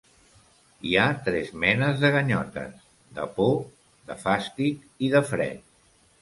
Hi ha tres menes de ganyotes: de por, de fàstic i de fred.